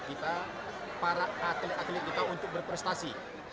kita para atlet atlet kita untuk berprestasi